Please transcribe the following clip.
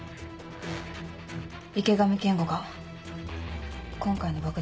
池上健吾が今回の爆弾を？